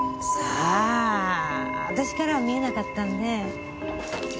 さあ私からは見えなかったんで。